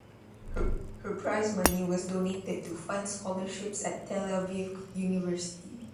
Her prize money was donated to fund scholarships at Tel Aviv University.